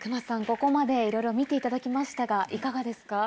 ここまでいろいろ見ていただきましたがいかがですか？